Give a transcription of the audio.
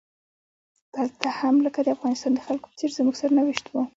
دلته هم لکه د افغانستان د خلکو په څیر زموږ سرنوشت و.